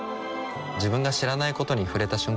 自分が知らないことに触れた瞬間